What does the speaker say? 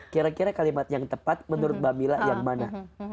kira kira kalimat yang tepat menurut mbak mila yang mana